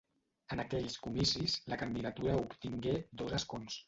En aquells comicis, la candidatura obtingué dos escons.